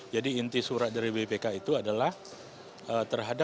jadi inti surat dari bpk itu adalah